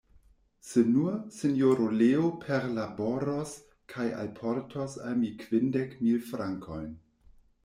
Se nur, Sinjoro Leo perlaboros kaj alportos al mi kvindek mil frankojn.